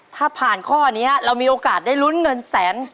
ถ้าผ่านข้อนี้เรามีโอกาสได้ลุ้นเงินแสน